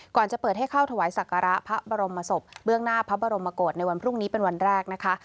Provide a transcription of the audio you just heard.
ก่อนจะเปิดให้เข้าถวายศักระพระบรมศพเบื้องหน้าพระบรมโกศในวันพรุ่งนี้เป็นวันแรกนะคะ